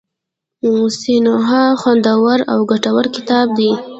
سینوهه خوندور او ګټور کتاب دی.